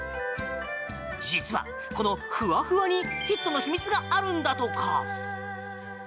実は、このふわふわにヒットの秘密があるのだとか。